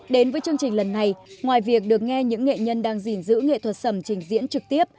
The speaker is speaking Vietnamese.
đến với chương trình lần này ngoài việc được nghe những nghệ nhân đang gìn giữ nghệ thuật sẩm trình diễn trực tiếp